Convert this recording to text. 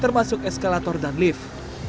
termasuk eskalator dan lift